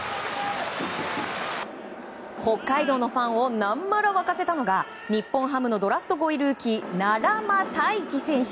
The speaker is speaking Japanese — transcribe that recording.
北海道のファンをなんまら沸かせたのが日本ハムのドラフト５位ルーキー奈良間大己選手。